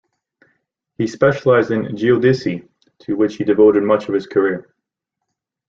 He specialized in geodesy, to which he devoted much of his career.